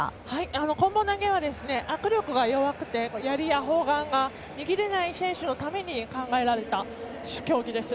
こん棒投げは握力が弱くてやりや砲丸が握れない選手のために考えられた競技です。